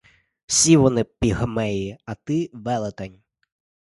Всі вони пігмеї, а ти — велетень!